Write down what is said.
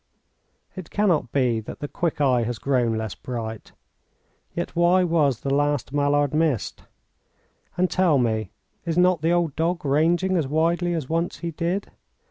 It can not be that the quick eye has grown less bright. Yet why was the last mallard missed? And tell me, is not the old dog ranging as widely as once he did?